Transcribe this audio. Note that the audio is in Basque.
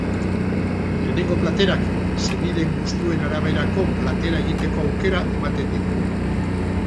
Lehenengo platerak, senideen gustuen araberako platera egiteko aukera ematen digu.